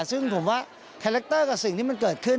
ซึ่งผมว่าคาแรคเตอร์กับสิ่งที่มันเกิดขึ้น